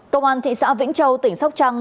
công an thị xã vĩnh châu tỉnh sóc trăng